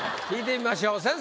聞いてみましょう。